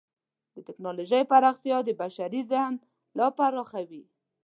د ټکنالوجۍ پراختیا د بشري ذهن لا پراخوي.